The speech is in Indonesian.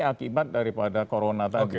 akibat daripada corona